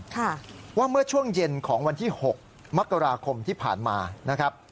ค่ะว่าเมื่อช่วงเย็นของวันที่หกมกราคมที่ผ่านมานะครับ